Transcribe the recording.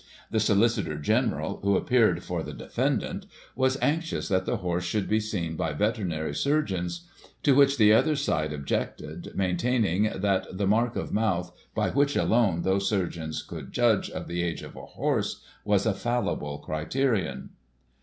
The Solicitor General, who appeared for the defendant, was anxious that the horse should be seen by veterinary surgeons. To which the other side objected, maintaining that the mark of mouth, by which, alone, those surgeons could judge of the age of a horse, was a fallible criterion.